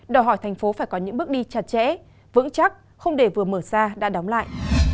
đòi hỏi thành phố phải có những bước đi chặt chẽ vững chắc không để vừa mở ra đã đóng lại